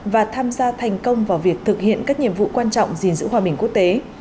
và tham gia thành công vào việc thực hiện các nhiệm vụ quan trọng gìn giữ hòa bình quốc tế